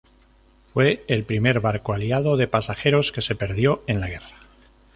Fue el primer barco aliado de pasajeros que se perdió en la guerra.